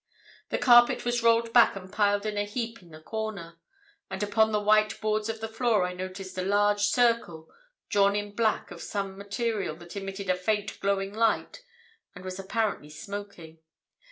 "The carpet was rolled back and piled in a heap in the corner, and upon the white boards of the floor I noticed a large circle drawn in black of some material that emitted a faint glowing light and was apparently smoking.